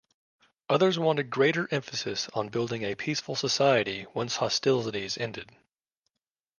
Others wanted greater emphasis on building a peaceful society once hostilities ended.